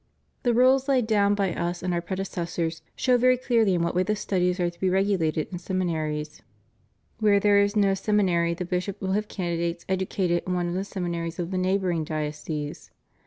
The rules laid down by Us and Our predecessors show very clearly in what way the studies are to be regulated in seminaries. Where there is no seminary the bishop will have candidates educated in one of the seminaries of the neighboring diocese.